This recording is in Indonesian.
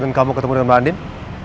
dan kamu ketemu dengan mbak ending